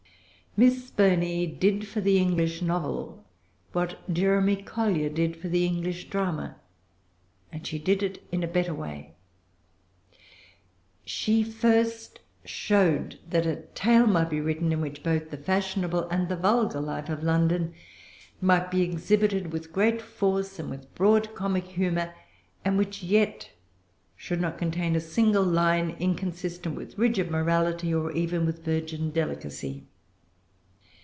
Miss Burney did for the English novel what Jeremy[Pg 395] Collier did for the English drama; and she did it in a better way. She first showed that a tale might be written in which both the fashionable and the vulgar life of London might be exhibited with great force, and with broad comic humor, and which yet should not contain a single line inconsistent with rigid morality, or even with virgin delicacy.